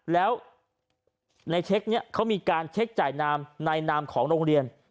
แล้วในเช็คนี้เขามีการเช็คจ่ายนามในนามของโรงเรียน